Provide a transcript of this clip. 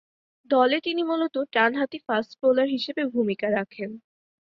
দলে তিনি মূলতঃ ডানহাতি ফাস্ট বোলার হিসেবে ভূমিকা রাখেন।